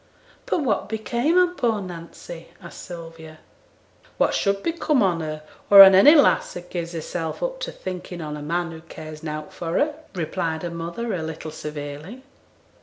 'But what became on poor Nancy?' asked Sylvia. 'What should become on her or on any lass as gives hersel' up to thinking on a man who cares nought for her?' replied her mother, a little severely.